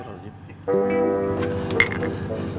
itu si acing